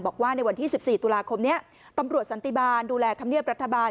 บอกว่าในวันที่๑๔ตุลาคมนี้ตำรวจสันติบาลดูแลธรรมเนียบรัฐบาล